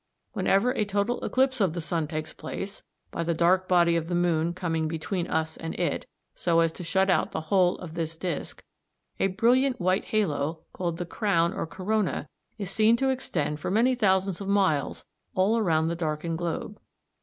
Whenever a total eclipse of the sun takes place by the dark body of the moon coming between us and it, so as to shut out the whole of this disc a brilliant white halo, called the crown or corona, is seen to extend for many thousands of miles all round the darkened globe.